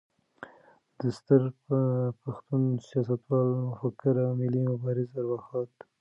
د ستر پښتون، سیاستوال، مفکر او ملي مبارز ارواښاد